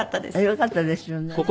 よかったですよね。